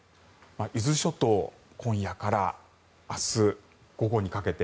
伊豆諸島今夜から明日午後にかけて。